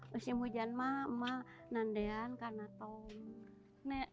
musim hujan mak nanti karena tahun